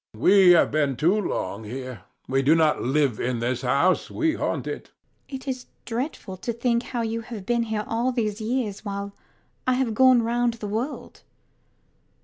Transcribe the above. HECTOR. We have been too long here. We do not live in this house: we haunt it. LADY UTTERWORD [heart torn]. It is dreadful to think how you have been here all these years while I have gone round the world.